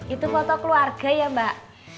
itu foto keluarga ya mbak